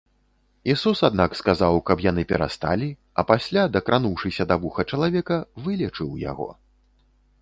Ісус, аднак сказаў, каб яны перасталі, а пасля, дакрануўшыся да вуха чалавека, вылечыў яго.